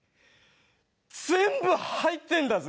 全部入ってんだぜ。